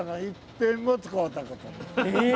え⁉